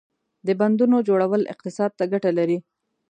• د بندونو جوړول اقتصاد ته ګټه لري.